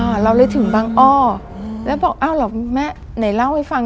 เราเลยถึงบางอ้ออืมแล้วบอกอ้าวเหรอแม่ไหนเล่าให้ฟัง